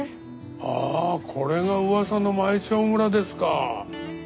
ああこれが噂の舞澄村ですか。